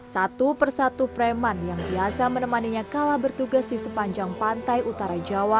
satu persatu preman yang biasa menemaninya kalah bertugas di sepanjang pantai utara jawa